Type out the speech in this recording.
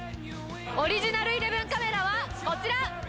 オリジナルイレブンカメラはこちら！